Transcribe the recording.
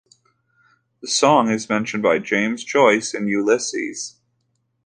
The song is mentioned by James Joyce in "Ulysses".